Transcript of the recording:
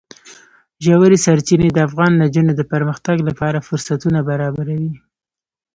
ژورې سرچینې د افغان نجونو د پرمختګ لپاره فرصتونه برابروي.